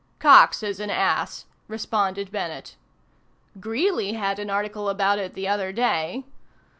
"Cox is an ass," responded Bennett. "Greeley had an article about it the other day."